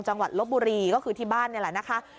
ลบบุรีก็คือที่บ้านนี่แหละนะคะ